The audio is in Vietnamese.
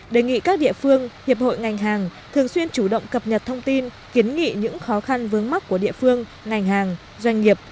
đề nghị các địa phương hiệp hội ngành hàng thường xuyên chủ động cập nhật thông tin kiến nghị những khó khăn vướng mắt của địa phương ngành hàng doanh nghiệp